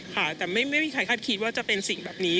ถ้าใครคาดคิดว่าจะเป็นสิ่งแบบนี้